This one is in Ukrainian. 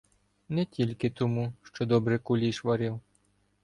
Не тільки тому, що добре куліш варив.